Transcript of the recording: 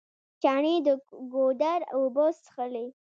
چڼې د ګودر اوبه څښلې.